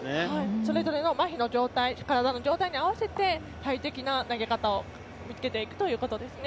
それぞれのまひの状態体の状態に合わせて最適な投げ方を見つけていくということです。